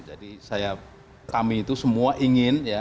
jadi kami itu semua ingin